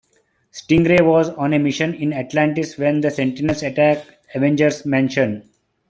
Stingray was on a mission in Atlantis when the Sentinels attack Avengers Mansion.